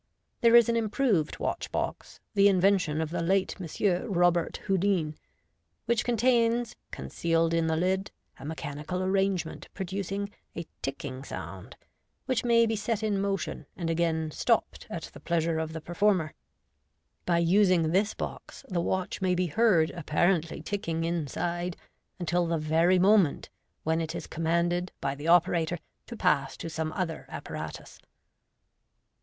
There is an improved watch box, the Invention of the late M. Robert Houdin, which contains, concealed in the lid, a mechanical arrangement producing a ticking sound, which may be set in motion and again stopped at the pleasure of the performer, By using this box, the watch may be heard apparently ticking inside until the very moment when it is commanded by the operator to pass to some other apparatus.